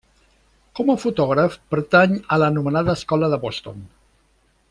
Com a fotògraf, pertany a l'anomenada escola de Boston.